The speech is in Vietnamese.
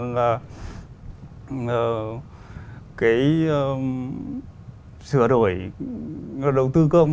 cái sửa đổi đầu tư công